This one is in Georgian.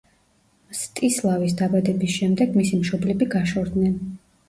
მსტისლავის დაბადების შემდეგ მისი მშობლები გაშორდნენ.